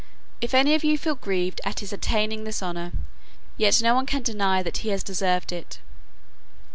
If any of you feel grieved at his attaining this honor, yet no one can deny that he has deserved it."